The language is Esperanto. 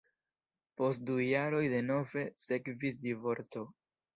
Post du jaroj denove sekvis divorco.